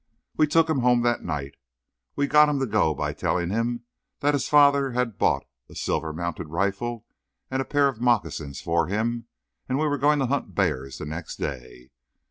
We took him home that night. We got him to go by telling him that his father had bought a silver mounted rifle and a pair of moccasins for him, and we were going to hunt bears the next day.